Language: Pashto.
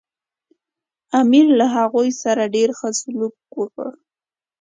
امیر له هغوی سره ډېر ښه سلوک وکړ.